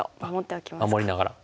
守りながら。